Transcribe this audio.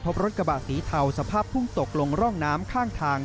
พบรถกระบะสีเทาสภาพพุ่งตกลงร่องน้ำข้างทาง